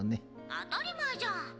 当たり前じゃん！